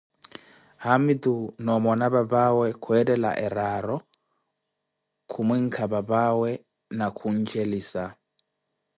haamitu na omona papaawe kwetthela eraaro khumwinka papawe na khunchelisa.